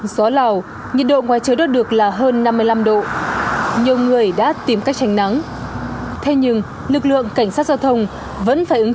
với lực của lực lượng cảnh sát giao thông